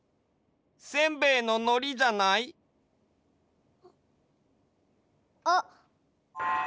せんべいののりじゃない？あっ。